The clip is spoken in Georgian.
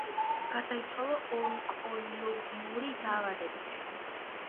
გარდაიცვალა ონკოლოგიური დაავადებით.